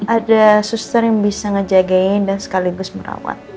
ada suster yang bisa ngejagain dan sekaligus merawat